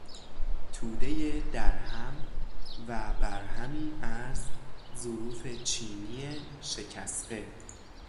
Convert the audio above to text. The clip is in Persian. تودهی درهم وبرهمی از ظروف چینی شکسته